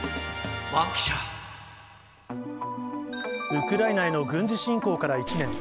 ウクライナへの軍事侵攻から１年。